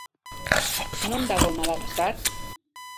Non dago Madagaskar?